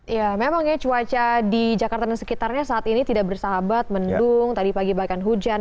ya memang ya cuaca di jakarta dan sekitarnya saat ini tidak bersahabat mendung tadi pagi bahkan hujan